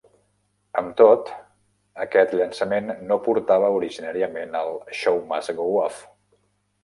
Amb tot, aquest llançament no portava originàriament el Show Must Go Off!